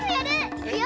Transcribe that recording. いくよ！